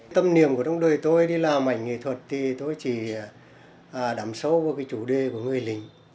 tâm niềm của đồng đội tôi đi làm ảnh nghệ thuật thì tôi chỉ đắm sâu vào cái chủ đề của người linh